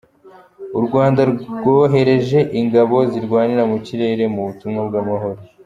U Rwanda rwohereje ingabo zirwanira mu kirere mu butumwa bw’amahoro